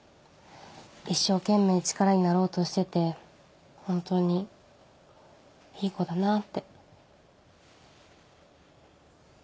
一生懸命力になろうとしてて本当にいい子だなって。